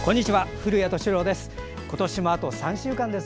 古谷敏郎です。